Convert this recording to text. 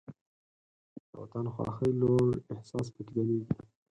د وطن خواهۍ لوړ احساس پکې ځلیږي.